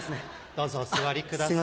どうぞお座りください。